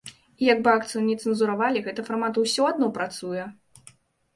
І як бы акцыю ні цэнзуравалі, гэты фармат ўсё адно працуе.